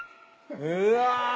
うわ。